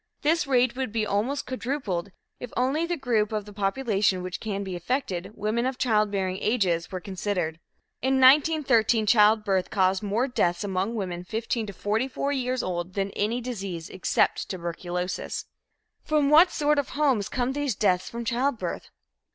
This rate would be almost quadrupled if only the group of the population which can be affected, women of child bearing ages, were considered. In 1913, childbirth caused more deaths among women 15 to 44 years old than any disease except tuberculosis." From what sort of homes come these deaths from childbirth?